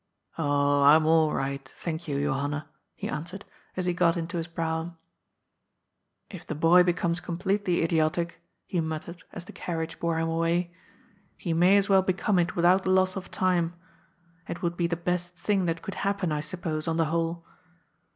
"" Oh, I'm all right, thank you, Johanna," he answered, as he got into his brougham. " If the boy becomes completely idiotic," he muttered as the carriage bore him away, " he may as well become it without loss of time. It would be the best thing that could happen, I suppose, on the whole."